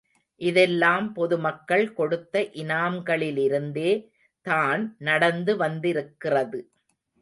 இதெல்லாம் பொது மக்கள் கொடுத்த இனாம்களிலிருந்தே தான் நடந்து வந்திருக்கிறது.